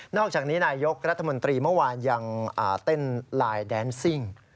นอกจากนี้นายยกรัฐมนตรีเมื่อวานยังเต้นด้านลาย